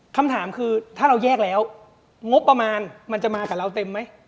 คำถามคือถ้าเราแยกแล้วงบประมาณมันจะมากับเราเต็มไหม